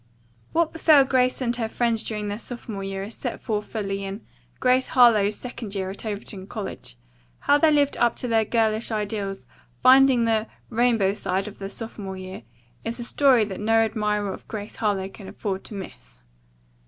What befell Grace and her friends during their sophomore year is set forth fully in "Grace Harlowe's Second Year at Overton College." How they lived up to their girlish ideals, finding the "rainbow side" of their sophomore year, is a story that no admirer of Grace Harlowe can afford to miss.